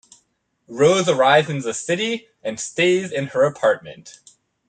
Rose arrives in the city and stays in her apartment.